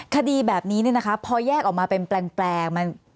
คดีแบบนี้พอแยกออกมาเป็นแปลง